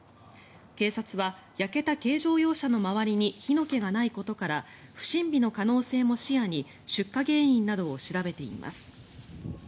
警察は焼けた軽乗用車の周りに火の気がないことから不審火の可能性も視野に出火原因などを調べています。